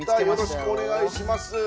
よろしくお願いします。